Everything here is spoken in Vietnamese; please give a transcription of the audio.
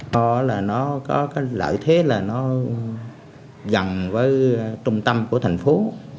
có là nó có cái lợi thế là nó dằn với trung tâm của thành phố